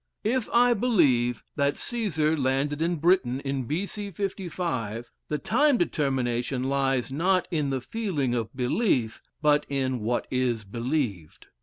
If I believe that Caesar landed in Britain in B.C. 55, the time determination lies, not in the feeling of belief, but in what is believed.